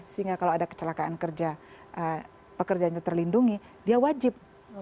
sehingga kalau ada kecelakaan pekerjaan yang terlindungi dia wajib